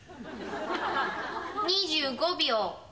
２５秒。